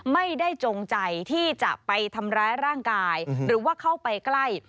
จงใจที่จะไปทำร้ายร่างกายหรือว่าเข้าไปใกล้